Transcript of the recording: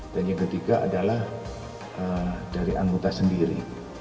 dan yang ketiga adalah dari anggota sendiri